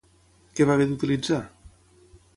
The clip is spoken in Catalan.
Què va haver d'utilitzar?